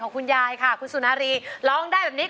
คุณสุนารีร้อง